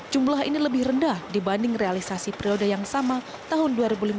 jumlah ini lebih rendah dibanding realisasi periode yang sama tahun dua ribu lima belas